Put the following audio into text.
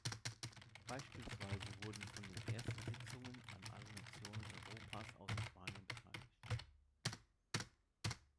Beispielsweise wurden von den ersten Sitzungen an alle Nationen Europas außer Spanien beteiligt.